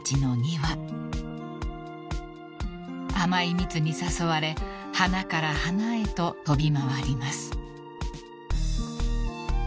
［甘い蜜に誘われ花から花へと飛び回ります］